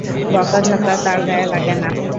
বকাঝকা তার গায়ে লাগে না।